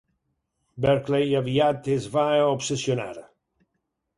Barclay aviat es va obsessionar.